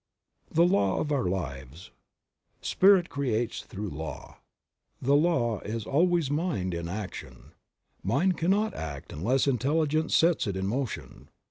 THE LAW OF OUR LIVES. CPIRIT creates through law,. v The law is always mind in action. Mind cannot act unless intelligence sets it in motion.